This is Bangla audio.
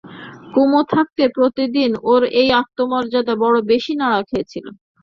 কুমু থাকতে প্রতিদিন ওর এই আত্মমর্যাদা বড়ো বেশি নাড়া খেয়েছিল।